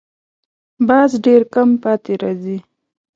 باز ډېر کم پاتې راځي